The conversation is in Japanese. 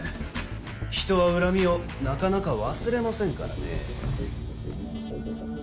人は恨みをなかなか忘れませんからねえ。